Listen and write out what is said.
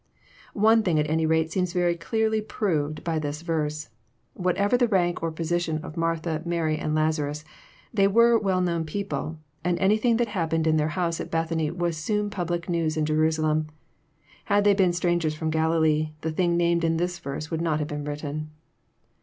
One thing at any rate seems very clearly proved by this verse. Whatever was the rank or position of Martha, Mary, and Lazarus, they were well known people, and anything that happened in their house at Bethany was soon public news in Jerusalem. Had they been strangers fl'om Galilee, the thing named in this verse would not have been written.